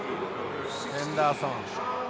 フェンダーソン。